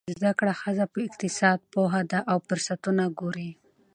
زده کړه ښځه په اقتصاد پوهه ده او فرصتونه ګوري.